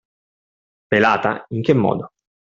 Pelata, in che modo?